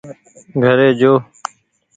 گهري جو